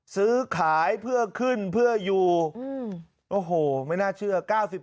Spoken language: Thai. ซื้อขายเพื่อขึ้นเพื่ออยู่โอ้โหไม่น่าเชื่อ